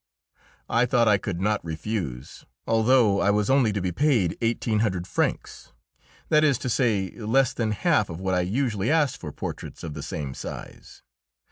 I thought I could not refuse, although I was only to be paid 1,800 francs that is to say, less than half of what I usually asked for portraits of the same size.